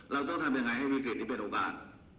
เราต้องทำอย่างไรให้วิเครตเป็นโอกาส